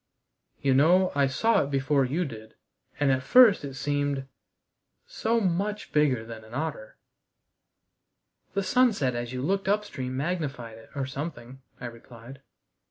"You know, I saw it before you did, and at first it seemed so much bigger than an otter." "The sunset as you looked upstream magnified it, or something," I replied.